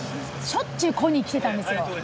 しょっちゅうコニー来てたんですよ。